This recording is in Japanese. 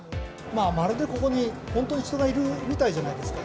まるでここに本当に人がいるみたいじゃないですか。